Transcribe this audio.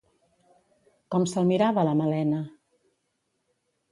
Com se'l mirava la Malena?